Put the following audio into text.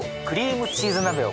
クリームチーズ鍋。